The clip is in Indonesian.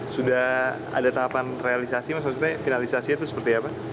sudah ada tahapan realisasi maksudnya finalisasinya itu seperti apa